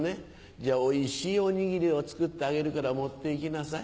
じゃあおいしいおにぎりを作ってあげるから持っていきなさい。